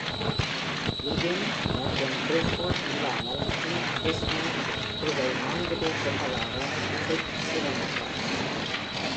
Levin மற்றும் Bruford இல்லாமல் king Crimson குழுவை நான்கு பேர் கொண்டதாக Fripp சீரமைத்தான்.